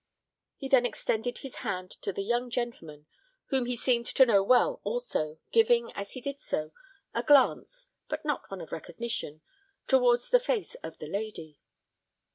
He then extended his hand to the young gentleman, whom he seemed to know well also, giving as he did so, a glance, but not one of recognition, towards the face of the lady.